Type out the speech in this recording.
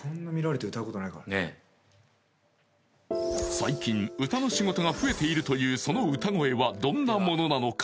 最近歌の仕事が増えているというその歌声はどんなものなのか